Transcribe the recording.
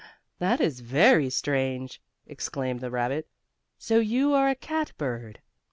That is very strange!" exclaimed the rabbit. "So you are a cat bird."